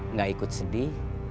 enggak ikut sedih